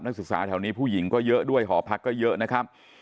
ศึกษาแถวนี้ผู้หญิงก็เยอะด้วยหอพักก็เยอะนะครับ